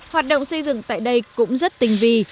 hoạt động xây dựng tại đây cũng rất tình vi